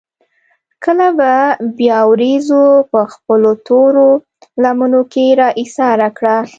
کله به بيا وريځو پۀ خپلو تورو لمنو کښې را ايساره کړه ـ